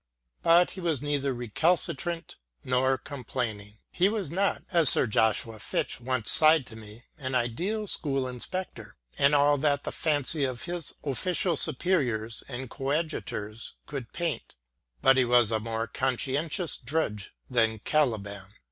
But he was neither recalcitrant nor complaining. He was not, as Sir Joshua Fitch once sighed to me, an ideal school inspector and all that the fancy of his official superiors and coadjutors could paint, but he was a more conscientious drudge than Caliban.